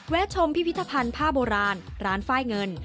ชมพิพิธภัณฑ์ผ้าโบราณร้านไฟล์เงิน